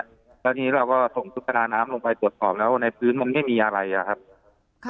แล้วทีนี้เราก็ส่งชุดประดาน้ำลงไปตรวจสอบแล้วในพื้นมันไม่มีอะไรอะครับ